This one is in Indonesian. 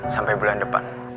sampai bulan depan